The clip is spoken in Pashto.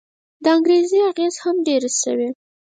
د انګرېزي اغېز هم ډېر شوی.